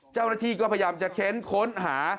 เจ้ารถชีก็พยายามจะเช้นค้นหา